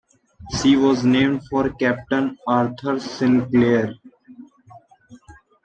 She was named for Captain Arthur Sinclair.